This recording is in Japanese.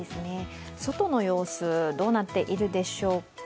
外の様子、どうなっているでしょうか。